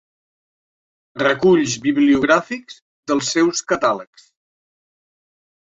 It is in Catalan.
Reculls bibliogràfics dels seus catàlegs.